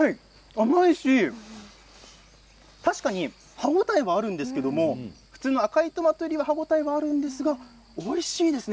甘いし確かに歯応えがあるんですけど普通の赤いトマトよりは歯応えがありますけど、おいしいですね。